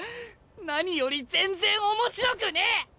何より全然面白くねえ！